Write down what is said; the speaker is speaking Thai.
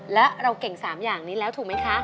และเราเก่ง๓อย่างนี้แล้วถูกไหมคะ